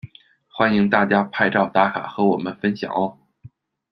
欢迎大家拍照打卡和我们分享喔！